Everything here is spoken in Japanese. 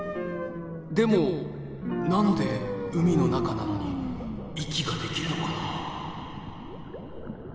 でも何で海の中なのに息ができるのかな？